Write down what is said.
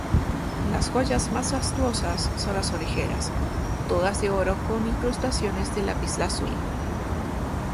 Las joyas más fastuosas son las orejeras, todas de oro con incrustaciones de lapislázuli.